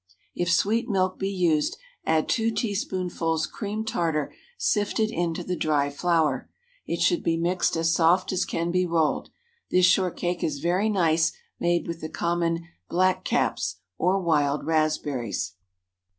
If sweet milk be used, add two teaspoonfuls cream tartar sifted into the dry flour. It should be mixed as soft as can be rolled. This shortcake is very nice made with the common "black caps" or wild raspberries.